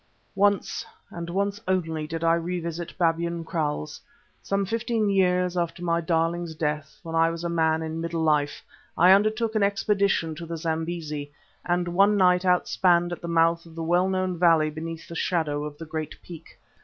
Once, and once only, did I revisit Babyan Kraals. Some fifteen years after my darling's death, when I was a man in middle life, I undertook an expedition to the Zambesi, and one night outspanned at the mouth of the well known valley beneath the shadow of the great peak.